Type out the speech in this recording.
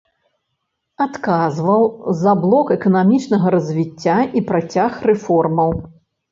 Адказваў за блок эканамічнага развіцця і працяг рэформаў.